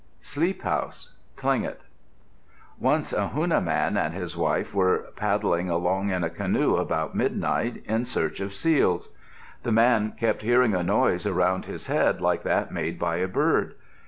SLEEP HOUSE Tlingit Once a Huna man and his wife were paddling along in a canoe, about midnight, in search of seals. The man kept hearing a noise around his head like that made by a bird.